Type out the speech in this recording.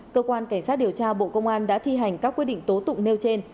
cơ quan cảnh sát điều tra bộ công an đã thi hành các quyết định tố tụng nêu trên